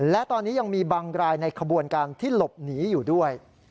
และตอนนี้ยังมีบางรายในขบวนการที่หลบหนีอยู่ด้วย